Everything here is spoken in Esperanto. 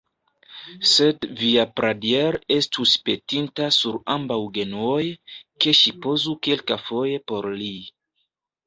Sed via Pradier estus petinta sur ambaŭ genuoj, ke ŝi pozu kelkafoje por li.